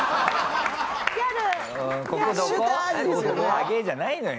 「アゲー！」じゃないのよ。